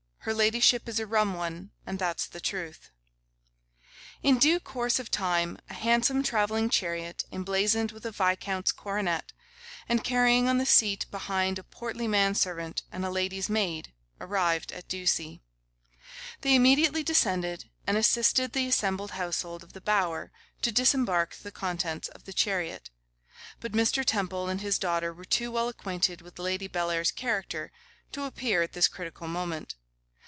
Her ladyship is a rum one, and that's the truth.' In due course of time, a handsome travelling chariot, emblazoned with a viscount's coronet, and carrying on the seat behind a portly man servant and a lady's maid, arrived at Ducie. They immediately descended, and assisted the assembled household of the Bower to disembark the contents of the chariot; but Mr. Temple and his daughter were too well acquainted with Lady Bellair's character to appear at this critical moment.